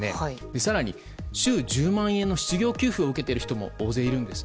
更に週１０万円の失業給付を受けている人も大勢いるんです。